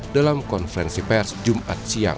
dalam konferensi pers jumat siang